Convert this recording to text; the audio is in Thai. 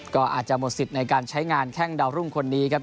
ก็อาจจะหมดสิทธิ์ในการใช้งานแข้งดาวรุ่งคนนี้ครับ